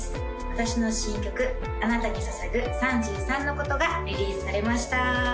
私の新曲「あなたに捧ぐ３３のこと」がリリースされました！